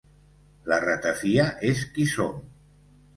La ratafia és qui som.